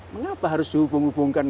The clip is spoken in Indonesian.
mengapa harus dihubung hubungkan